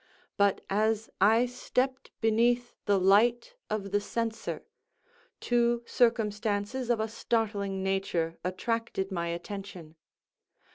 But, as I stepped beneath the light of the censer, two circumstances of a startling nature attracted my attention.